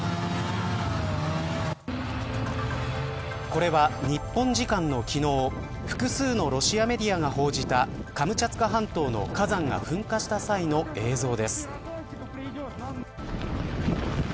これは日本時間のきのう複数のロシアメディアが報じたカムチャツカ半島の火山が噴火した際の映像です。